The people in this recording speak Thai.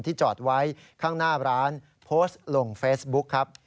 จอดไว้ข้างหน้าร้านโพสต์ลงเฟซบุ๊คครับ